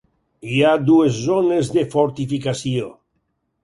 Hi ha dues zones de fortificació.